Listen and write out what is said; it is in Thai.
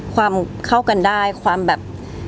เข้ากันได้ความแบบ